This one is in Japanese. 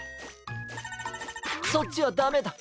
そっちはダメだ！